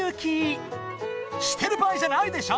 ［してる場合じゃないでしょ］